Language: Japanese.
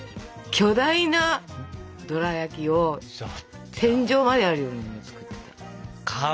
巨大なドラやきを天井まであるようなの作ってた。